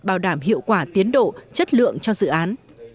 bảo đảm hiệu quả tiến độ chất lượng cho dự án